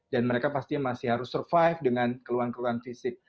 dan mereka pastinya masih harus survive dengan keluhan keluhan fisik